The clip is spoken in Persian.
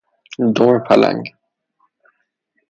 دم پلنگ